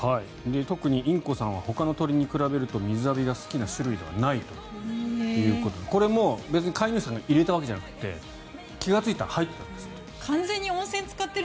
特にインコさんはほかの鳥に比べると水浴びが好きな種類ではないということでこれも別に飼い主さんが入れたわけじゃなくて気がついたら入ってたんですって。